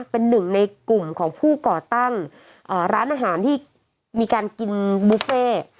เป็นหนึ่งในกลุ่มของผู้ก่อตั้งร้านอาหารที่มีการกินบุฟเฟ่